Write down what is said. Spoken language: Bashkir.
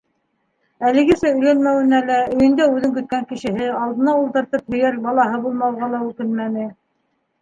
Әлегәсә өйләнмәүенә лә, өйөндә үҙен көткән кешеһе, алдына ултыртып һөйәр балаһы булмауға ла үкенмәне.